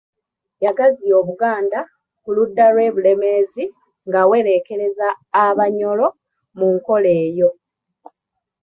Yagaziya Obuganda ku ludda lw'e Bulemeezi ng'awereekerezza Abanyoro mu nkola eyo.